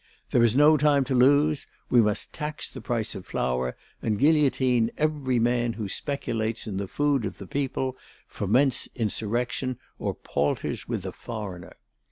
There is no time to lose; we must tax the price of flour and guillotine every man who speculates in the food of the people, foments insurrection or palters with the foreigner.